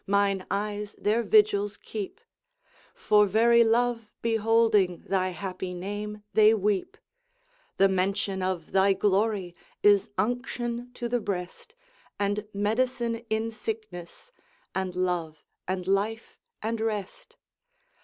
Mine eyes their vigils keep; For very love, beholding Thy happy name, they weep: The mention of Thy glory Is unction to the breast, And medicine in sickness, And love, and life, and rest.